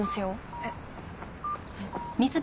えっ。